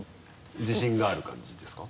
自信がある感じですか？